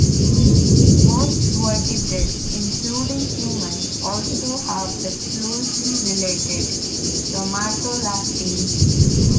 Most vertebrates including humans also have the closely related somatolactin.